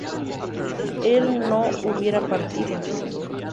¿él no hubiera partido?